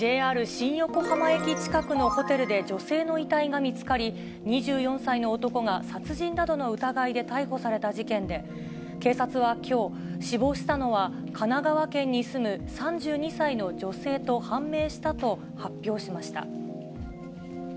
新横浜駅近くのホテルで女性の遺体が見つかり、２４歳の男が殺人などの疑いで逮捕された事件で、警察はきょう、死亡したのは、神奈川県に住む３２歳の女性と判明したと発表しました。